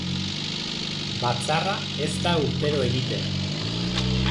Batzarra ez da urtero egiten.